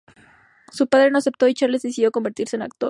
Su padre no aceptó y Charles decidió convertirse en actor.